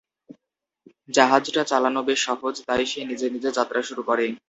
জাহাজটা চালানো বেশ সহজ, তাই সে নিজে নিজে যাত্রা শুরু করে।